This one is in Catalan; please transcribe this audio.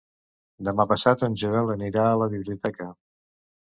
Demà passat en Joel anirà a la biblioteca.